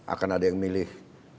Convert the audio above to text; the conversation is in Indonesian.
akan ada yang memilih